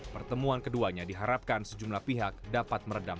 pertemuan keduanya diharapkan sejumlah pihak dapat meredam